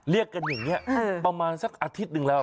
เรียกกันอย่างนี้ประมาณสักอาทิตย์หนึ่งแล้ว